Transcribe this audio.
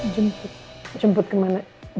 jemput jemput kemana